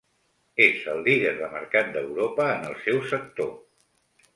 És el líder de mercat d'Europa en el seu sector.